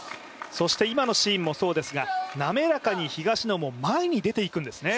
そして、今のシーンもそうですが、なめらかに東野も前に出て行くんですね。